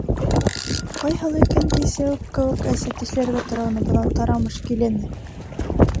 Ҡайһылай кәнтәй сәүек кеүек әсе тешләргә тора уны бынау тарамыш килене!